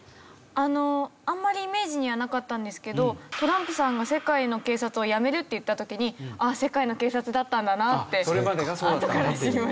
あのあんまりイメージにはなかったんですけどトランプさんが「世界の警察をやめる」って言った時に「あっ世界の警察だったんだな」ってあとから知りました。